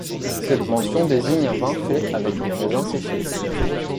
Cette mention désigne un vin fait avec des raisins séchés.